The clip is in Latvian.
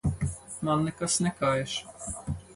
Man nekas nekaiš.